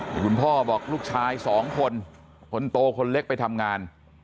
แต่คุณพ่อบอกลูกชายสองคนคนโตคนเล็กไปทำงาน